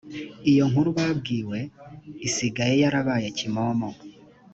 iyo nkuru bambwiwe isigaye yarabaye kimomo